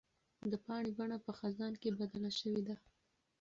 د پاڼې بڼه په خزان کې بدله شوې ده.